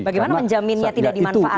bagaimana menjaminnya tidak dimanfaatkan